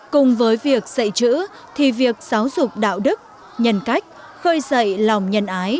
cùng với việc dạy chữ thì việc giáo dục đạo đức nhân cách khơi dậy lòng nhân ái